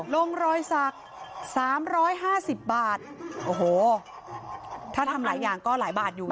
ลงรอยสักสามร้อยห้าสิบบาทโอ้โหถ้าทำหลายอย่างก็หลายบาทอยู่